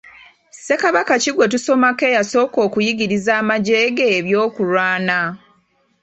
Ssekabaka ki gwe tusomako eyasooka okuyigiriza amagye ge eby'okulwana?